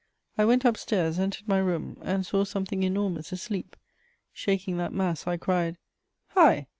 I went upstairs, entered my room, and saw something enormous asleep; shaking that mass, I cried: "Hi!